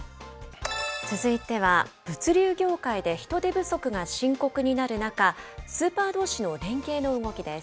続いては、物流業界で人手不足が深刻になる中、スーパーどうしの連携の動きです。